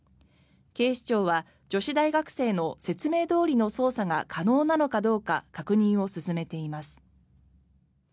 警視庁は女子大学生の説明どおりの操作が可能なのかどうか確認を進めています。